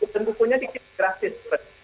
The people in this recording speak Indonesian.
dan bukunya dikiris kerasis